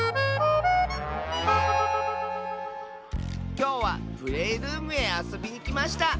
きょうはプレールームへあそびにきました！